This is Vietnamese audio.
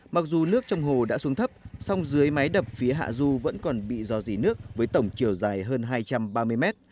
mặc dù nước trong hồ đã xuống thấp sông dưới mái đập phía hạ du vẫn còn bị rò rỉ nước với tổng chiều dài hơn hai trăm ba mươi mét